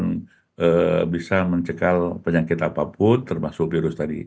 dan bisa mencekal penyakit apapun termasuk virus tadi